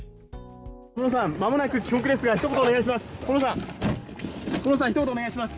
小室さん、まもなく帰国ですが、ひと言お願いします。